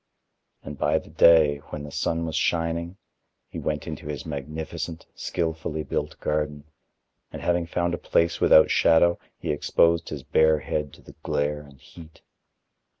And by the day, when the sun was shining, he went into his magnificent, skilfully built garden and having found a place without shadow, he exposed his bare head to the glare and heat.